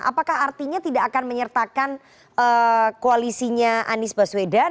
apakah artinya tidak akan menyertakan koalisinya anies baswedan